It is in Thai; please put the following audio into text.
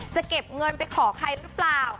จะเก็บเงินไปขอใครหรือเปล่า